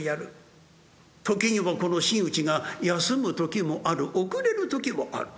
時にはこの真打ちが休む時もある遅れる時もある。